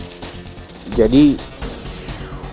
dia jadi parasit